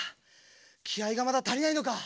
きあいがまだたりないのか？